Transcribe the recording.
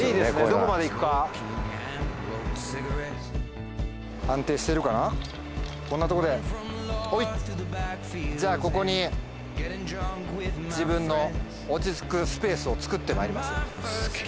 どこまでいくか安定してるかなこんなとこでおいっじゃあここに自分の落ち着くスペースをつくってまいります